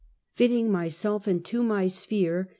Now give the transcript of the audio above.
FITTING MYSELF INTO MY SPHERE.